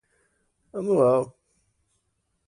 anual